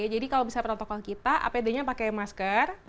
jadi kalau bisa protokol kita apd nya pakai masker